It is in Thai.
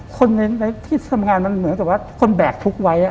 คนในที่ทำงานเหมือนว่าคุณแบ่กทุกข์ไว้